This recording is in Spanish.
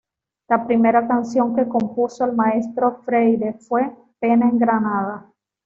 La primera canción que compuso el maestro Freire fue "Pena en Granada".